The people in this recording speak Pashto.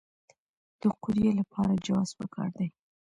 د قوریې لپاره جواز پکار دی؟